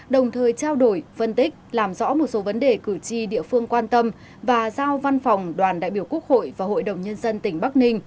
đồng thời trao đổi phân tích làm rõ một số vấn đề cử tri địa phương quan tâm và giao văn phòng đoàn đại biểu quốc hội và hội đồng nhân dân tỉnh bắc ninh